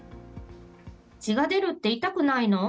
血が出るって痛くないの？